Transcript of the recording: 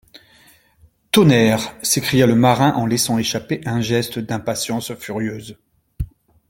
Tonnerre ! s'écria le marin en laissant échapper un geste d'impatience furieuse.